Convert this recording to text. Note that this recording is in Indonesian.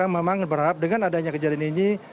memang berharap dengan adanya kejadian ini